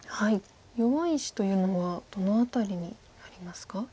弱い石というのはどの辺りになりますか？